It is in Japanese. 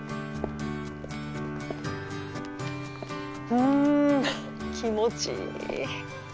うん気持ちいい。